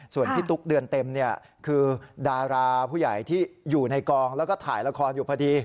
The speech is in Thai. ส่วนพี่ตุ๊กเดือนเต็มคือดาราผู้ใหญ่ที่อยู่ในกองแล้วก็ถ่ายละครอยู่พอดี